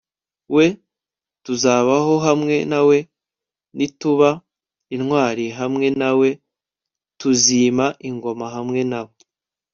we tuzabaho hamwe na we, nituba intwari hamwe na we tuzima ingoma hamwe na